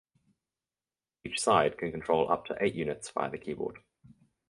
Each side can control up to eight units via the keyboard.